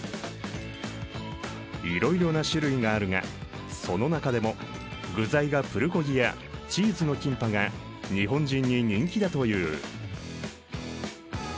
いろいろな種類があるがその中でも具材がプルコギやチーズのキンパが日本人に人気だという。